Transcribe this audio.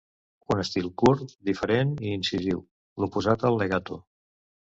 Un estil curt, diferent i incisiu; l'oposat al legato.